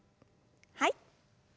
はい。